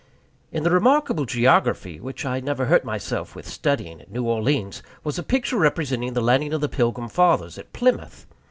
In the remarkable geography which I never hurt myself with studying at New Orleans, was a picture representing the landing of the Pilgrim Fathers at Plymouth.